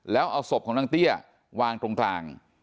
แล้วเอาศพของนางเตี้ยวางตรงกลาง